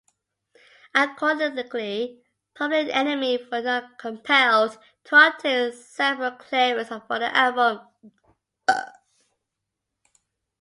Accordingly, Public Enemy were not compelled to obtain sample clearance for the album.